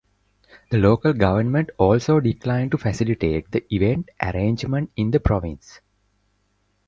The local government also declined to facilitate the event arrangement in the province.